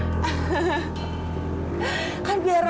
kamu tuh ngapain sih di sini